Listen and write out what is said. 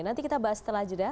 nanti kita bahas setelah itu ya